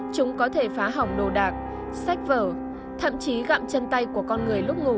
chúng có thể phá hỏng đồ đạc sách vở thậm chí gặm chân tay của con người lúc ngủ